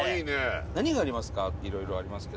何がありますか？